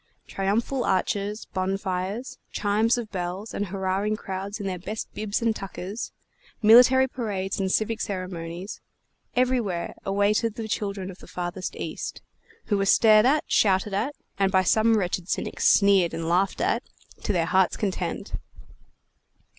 Triumphal arches, bonfires, chimes of bells, and hurrahing crowds in their best bibs and tuckers, military parades and civic ceremonies, everywhere awaited the children of the farthest East, who were stared at, shouted at and by some wretched cynics sneered and laughed at to their hearts' content.